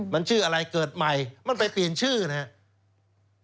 มันชื่ออะไรเกิดใหม่มันไปเปลี่ยนชื่อนะครับ